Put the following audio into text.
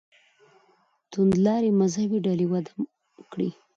توندلارې مذهبي ډلې وده وکړي.